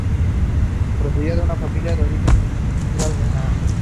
The club used to gather at the plantation house of plantation Dordrecht.